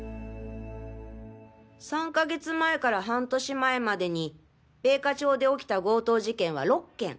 ３か月前から半年前までに米花町で起きた強盗事件は６件。